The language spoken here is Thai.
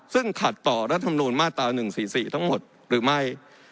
ซึ่งขัดต่อรัฐมนูลมาตรา๑๔๔ทั้งหมดหรือไม่